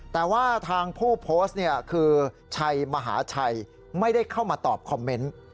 แต่ว่าทางผู้โพสต์คือชัยมหาชัยไม่ได้เข้ามาตอบคอมเมนต์